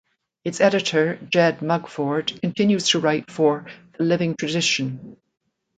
Its editor Jed Mugford continues to write for "The Living Tradition".